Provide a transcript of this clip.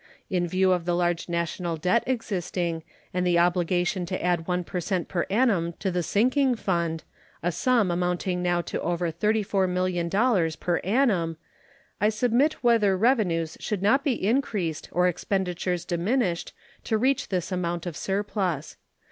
In view of the large national debt existing and the obligation to add 1 per cent per annum to the sinking fund, a sum amounting now to over $34,000,000 per annum, I submit whether revenues should not be increased or expenditures diminished to reach this amount of surplus.